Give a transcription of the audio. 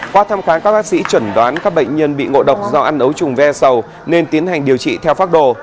qua thăm khám các bác sĩ chuẩn đoán các bệnh nhân bị ngộ độc do ăn ấu trùng ve sầu nên tiến hành điều trị theo pháp đồ